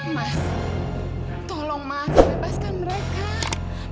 mas tolong mas bebaskan mereka